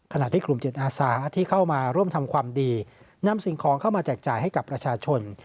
ขณะที่กลุ่มจิตอาสาที่เข้ามาร่วมทำความดีนำสิ่งของเข้ามาแจกจ่ายให้กับประชาชน